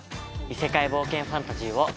異世界冒険ファンタジーを。